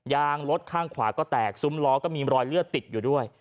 ยางรถข้างขวาก็แตกซุ้มล้อก็มีรอยเลือดติดอยู่ด้วย